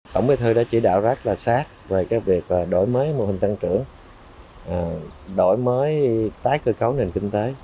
tổng bí thư đã chỉ đạo rất là sát về việc đổi mới mô hình tăng trưởng đổi mới tái cơ cấu nền kinh tế